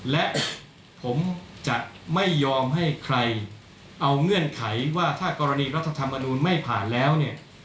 และผมจะไม่ยอมให้ใครเอาเงื่อนไขว่าถ้ากรณีรัฐธรรมนูลไม่ผ่านแล้วเนี่ย